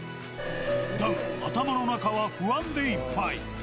だが、頭の中は不安でいっぱい。